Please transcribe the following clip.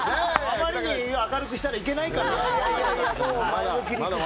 あまりに明るくしたらいけないかなって。